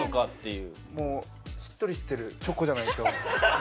しっとりしてるチョコじゃないと。